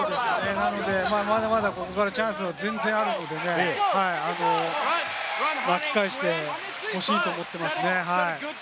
まだまだここからチャンスが全然あるので、巻き返してほしいと思っていますね。